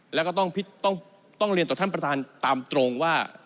แล้วก็ต้องเรียนต่อท่านประธานตามตรงว่า